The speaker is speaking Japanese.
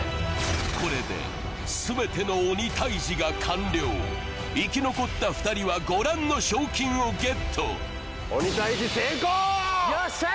これで全ての鬼タイジが完了生き残った２人はご覧の賞金をゲットよっしゃ！